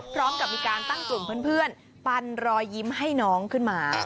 พร้อมกับมีการตั้งกลุ่มเพื่อนปันรอยยิ้มให้น้องขึ้นมา